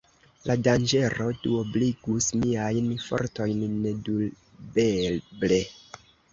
La danĝero duobligus miajn fortojn, nedubeble.